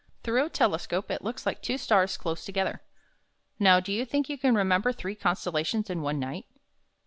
Through a tele scope it looks like two stars close together. Xow, do you think you can remember three constellations in one night?"